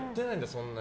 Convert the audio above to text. そんなに。